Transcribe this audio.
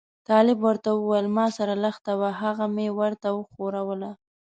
طالب ورته وویل ما سره لښته وه هغه مې ورته وښوروله.